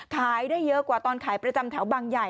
ขายได้เยอะกว่าตอนขายประจำแถวบางใหญ่